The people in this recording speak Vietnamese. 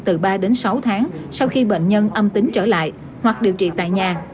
từ ba đến sáu tháng sau khi bệnh nhân âm tính trở lại hoặc điều trị tại nhà